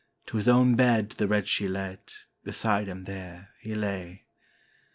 To his own bed the wretch he led, beside him there he lay.